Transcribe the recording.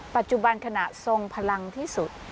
ปัจจุบันขณะทรงพลังที่สุด